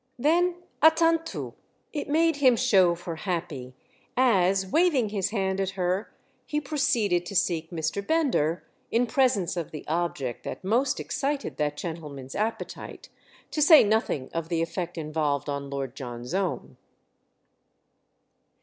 "Then à tantôt!" It made him show for happy as, waving his hand at her, he proceeded to seek Mr. Bender in presence of the object that most excited that gentleman's appetite—to say nothing of the effect involved on Lord John's own.